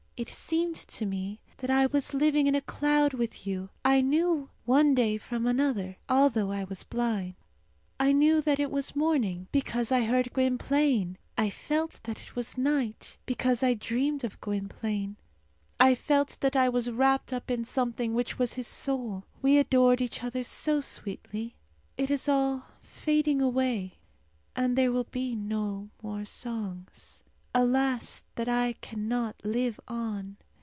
It seemed to me that I was living in a cloud with you; I knew one day from another, although I was blind. I knew that it was morning, because I heard Gwynplaine; I felt that it was night, because I dreamed of Gwynplaine. I felt that I was wrapped up in something which was his soul. We adored each other so sweetly. It is all fading away; and there will be no more songs. Alas that I cannot live on!